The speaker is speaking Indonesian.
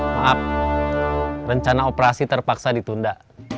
maaf rencana operasi terpaksa ditunda